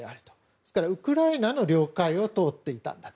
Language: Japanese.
ですから、ウクライナの領海を通っていたんだと。